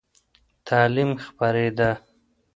تعلیم خپرېده.